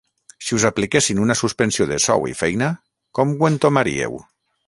Si us apliquessin una suspensió de sou i feina, com ho entomaríeu?